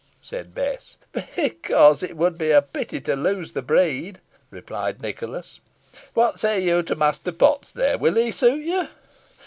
said Bess. "Because it would be a pity to lose the breed," replied Nicholas. "What say you to Master Potts there? Will he suit you?"